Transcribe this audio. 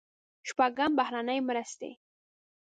شپږم: بهرنۍ مرستې.